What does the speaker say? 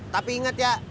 lo inget ya